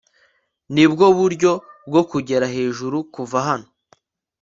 Nibwo buryo bwo kugera hejuru kuva hano